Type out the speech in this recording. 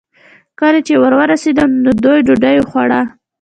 کله چې ور ورسېدم، نو دوی ډوډۍ خوړه.